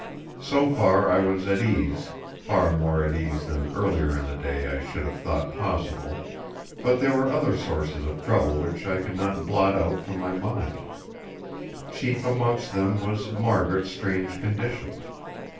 So far I was at ease—far more at ease than earlier in the day I should have thought possible; but there were other sources of trouble which I could not blot out from my mind. Chief amongst them was Margaret's strange condition.